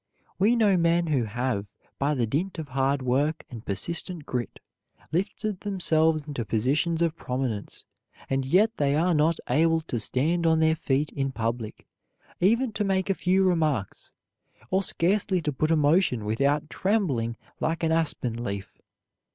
We know men who have, by the dint of hard work and persistent grit, lifted themselves into positions of prominence, and yet they are not able to stand on their feet in public, even to make a few remarks, or scarcely to put a motion without trembling like an aspen leaf.